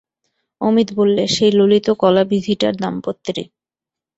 অমিত বললে, সেই ললিত কলাবিধিটা দাম্পত্যেরই।